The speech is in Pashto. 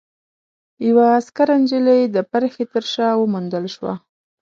يوه عسکره نجلۍ د پرښې تر شا وموندل شوه.